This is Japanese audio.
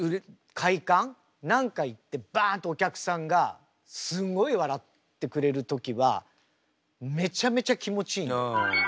何か言ってバンとお客さんがすんごい笑ってくれる時はめちゃめちゃ気持ちいい。